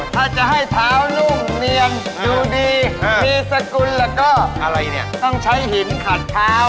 ถ้าจะให้เท้านุ่มเนียงดูดีมีสกุลแล้วก็อะไรเนี่ยต้องใช้หินขัดเท้า